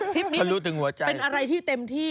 ทริปนี้เป็นอะไรที่เต็มที่